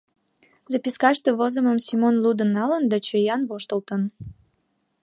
Запискаште возымым Семон лудын налын да чоян воштылын.